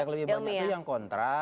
yang lebih banyak itu yang kontra